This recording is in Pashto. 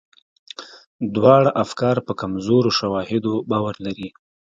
دواړه افکار په کمزورو شواهدو باور لري.